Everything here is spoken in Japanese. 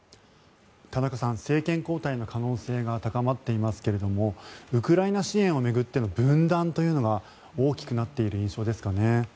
田中さん政権交代の可能性が高まっていますがウクライナ支援を巡っての分断というのが大きくなっている印象ですかね。